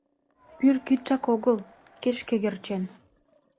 Пӱркытшак огыл, кеч кӧгӧрчен, —